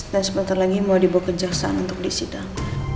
dan sebentar lagi mau dibawa ke jaksaan untuk disidang